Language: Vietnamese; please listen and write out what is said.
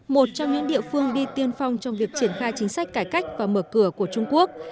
một trong những địa phương đi tiên phong trong việc triển khai chính sách cải cách và mở cửa của trung quốc